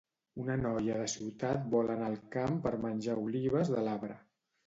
Una noia de ciutat vol anar al camp per menjar olives del arbre